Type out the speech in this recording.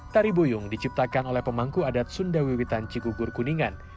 tari buyung diciptakan oleh pemangku adat sunda wiwitan cikugur kuningan